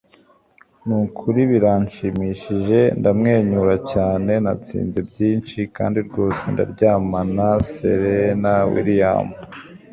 nukuri biranshimishije. ndamwenyura cyane, natsinze byinshi, kandi rwose ndaryamana. - serena williams